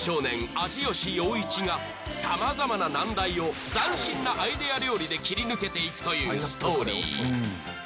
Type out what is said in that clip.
味吉陽一が様々な難題を斬新なアイデア料理で切り抜けていくというストーリー